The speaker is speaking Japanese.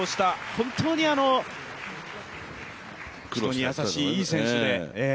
本当に人に優しい、いい選手で。